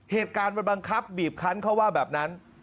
เหตุการณ์มันบังคับบีบคันเขาว่าแบบนั้น